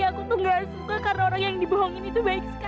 aku tuh gak suka karena orang yang dibohongin itu